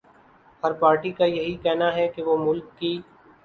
ہر party کایہی کہنا ہے کہ وہ ملک کی